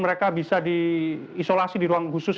mereka bisa diisolasi di ruang khusus